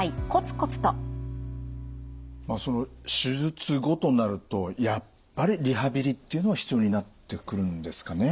手術後となるとやっぱりリハビリっていうのは必要になってくるんですかね？